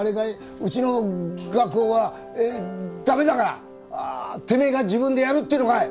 うちの画工は駄目だからてめえが自分でやるっていうのかい！？